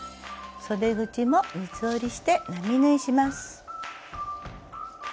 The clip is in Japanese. そで口も三つ折りして並縫いします。